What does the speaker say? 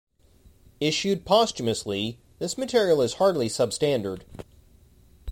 Issued posthumously, this material is hardly sub-standard.